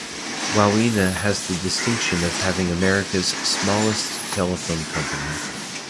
Wawina has the distinction of having America's smallest telephone company.